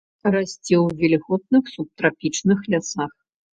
Расце ў вільготных субтрапічных лясах.